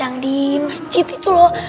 yang di masjid itu loh